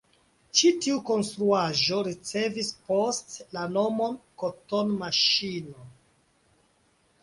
Ĉi tiu konstruaĵo ricevis poste la nomon „koton-maŝino“.